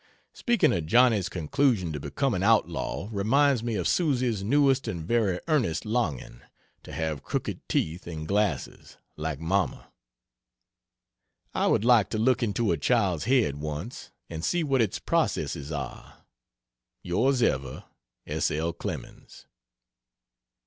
Speaking of Johnny's conclusion to become an outlaw, reminds me of Susie's newest and very earnest longing to have crooked teeth and glasses "like Mamma." I would like to look into a child's head, once, and see what its processes are. Yrs ever, S. L. CLEMENS.